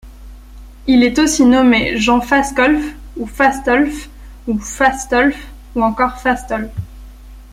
Il est aussi nommé Jean Fascolf ou Falstolf, ou Ffastolf, ou encore Fastol.